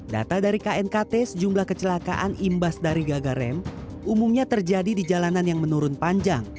data dari knkt sejumlah kecelakaan imbas dari gagal rem umumnya terjadi di jalanan yang menurun panjang